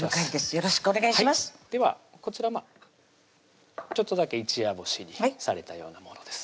よろしくお願いしますではこちらちょっとだけ一夜干しにされたようなものです